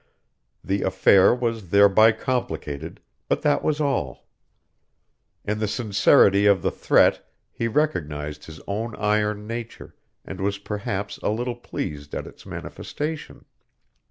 The affair was thereby complicated, but that was all. In the sincerity of the threat he recognized his own iron nature, and was perhaps a little pleased at its manifestation.